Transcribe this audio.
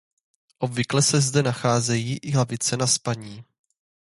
Obvykle se zde nacházejí i lavice na spaní.